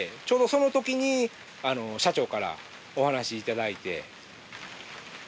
ちょうどそのときに社長からお話いただいて。